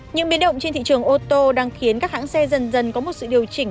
những biến động trên thị trường ô tô đang khiến các hãng xe dần dần có một sự điều chỉnh